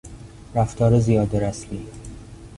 رفتار زیاده رسمی